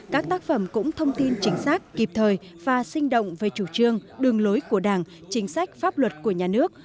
các tác phẩm cũng thông tin chính xác kịp thời và sinh động về chủ trương đường lối của đảng chính sách pháp luật của nhà nước